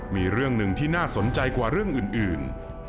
มีเรื่องหนึ่งที่น่าสนใจกว่าเรื่องอื่น